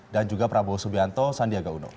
dan juga prabowo subianto sandiaga uno